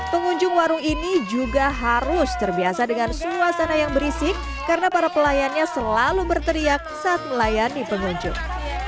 pengunjung warung ini juga harus terbiasa dengan suasana yang berisik karena para pelayannya selalu berteriak saat melayani pengunjung